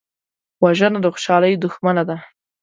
وژنه د خوشحالۍ دښمنه ده